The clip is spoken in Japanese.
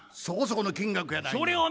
そこそこの金額やないの。